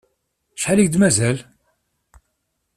Acḥal i k-d-mazal?